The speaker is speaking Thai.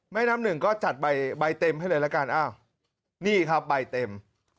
แม่น้ำหนึ่งก็จัดใบเต็มให้เลยละกันอ้าวนี่ครับใบเต็ม